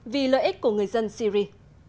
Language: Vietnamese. vì lợi ích của người dân syri